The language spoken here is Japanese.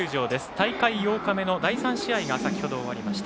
大会８日目の第３試合が先ほど終わりました。